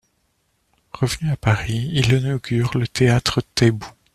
Revenu à Paris, il inaugure le théâtre Taitbout.